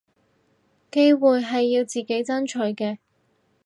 機會係要自己爭取嘅